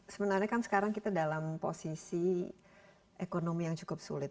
sebenarnya kan sekarang kita dalam posisi ekonomi yang cukup sulit